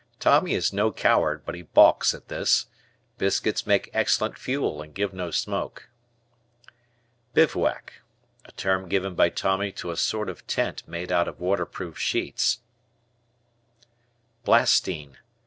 Tommy is no coward but he balks at this. Biscuits make excellent fuel, and give no smoke. Bivouac. A term given by Tommy to a sort of tent made out of waterproof sheets. Blastine.